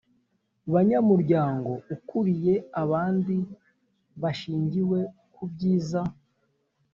banyamuryango ukuriye abandi hashingiwe kubyiza